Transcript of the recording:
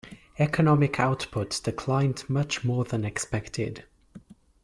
Economic output declined much more than expected.